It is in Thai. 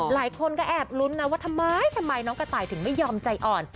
หลายคนก็แอบลุ้นนะว่าทำไมทำไมน้องกระต่ายถึงไม่ยอมใจอ่อน